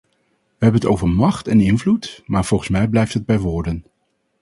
We hebben het over macht en invloed, maar volgens mij blijft het bij woorden.